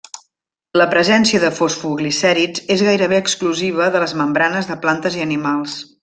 La presència de fosfoglicèrids és gairebé exclusiva de les membranes de plantes i animals.